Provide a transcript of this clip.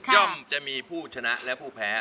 ่อมจะมีผู้ชนะและผู้แพ้